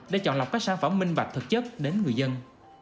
để chọn lọc các sản phẩm minh bạch thực chất đến người dân